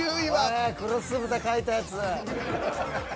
おい黒酢豚書いたやつ。